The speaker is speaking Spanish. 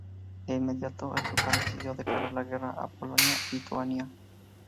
De inmediato, el sultán decidió declarar la guerra a Polonia-Lituania.